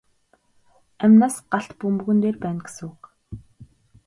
Амь нас галт бөмбөгөн дээр байна гэсэн үг.